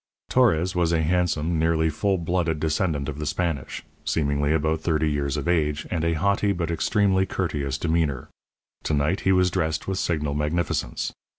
Torres was a handsome, nearly full blooded descendant of the Spanish, seemingly about thirty years of age, and of a haughty, but extremely courteous demeanour. To night he was dressed with signal magnificence.